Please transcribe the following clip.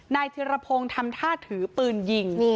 ธิรพงศ์ทำท่าถือปืนยิง